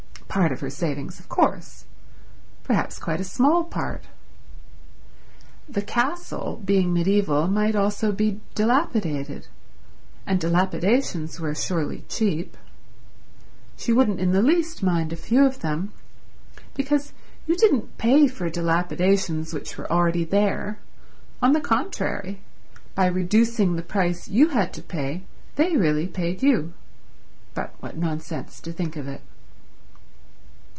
Part of her savings, of course; perhaps quite a small part. The castle, being mediaeval, might also be dilapidated, and dilapidations were surely cheap. She wouldn't in the least mind a few of them, because you didn't pay for dilapidations which were already there, on the contrary—by reducing the price you had to pay they really paid you. But what nonsense to think of it